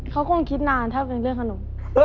เขาคงคิดนานถ้าเป็นเรื่องขนม